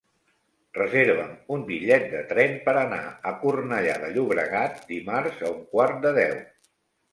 Reserva'm un bitllet de tren per anar a Cornellà de Llobregat dimarts a un quart de deu.